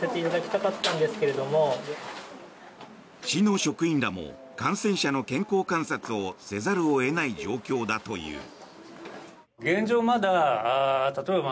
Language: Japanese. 市の職員らも感染者の健康観察をせざるを得ない状況だという。